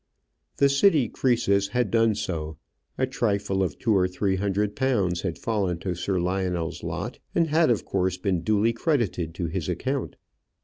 The city Croesus had done so: a trifle of two or three hundred pounds had fallen to Sir Lionel's lot, and had of course been duly credited to his account.